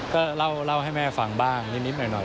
ก็เล่าให้แม่ฟังบ้างนิดหน่อย